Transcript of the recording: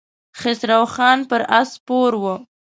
خسرو خان پر آس سپور و.